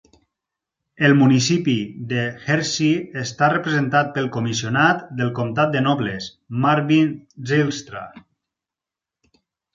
El municipi de Hersey està representat pel comissionat del comtat de Nobles, Marvin Zylstra.